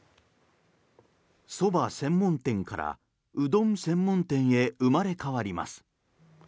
そば専門店からうどん専門店へ生まれ変わります。